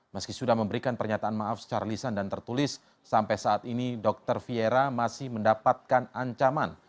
meski sudah memberikan pernyataan maaf secara lisan dan tertulis sampai saat ini dokter fiera masih mendapatkan ancaman